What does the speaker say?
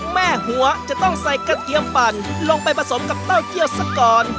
แม่หัวจะต้องใส่กระเทียมปั่นลงไปผสมกับเต้าเจียวสักก่อน